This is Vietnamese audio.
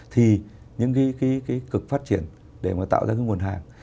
thì những cái cực phát triển để mà tạo ra cái nguồn hàng